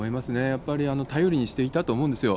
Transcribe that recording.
やっぱり、頼りにしていたと思うんですよ。